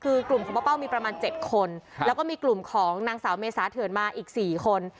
คือกลุ่มของป้าเป้ามีประมาณ๗คนแล้วก็มีกลุ่มของนางสาวเมษาเถื่อนมาอีก๔คน